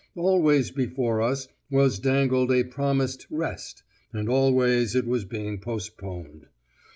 Always before us was dangled a promised "rest," and always it was being postponed.